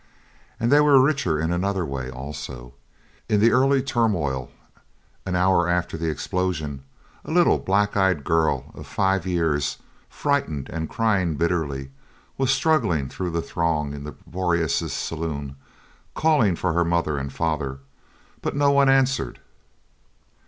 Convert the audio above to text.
And they were richer in another way also. In the early turmoil an hour after the explosion, a little black eyed girl of five years, frightened and crying bitterly, was struggling through the throng in the Boreas' saloon calling her mother and father, but no one answered.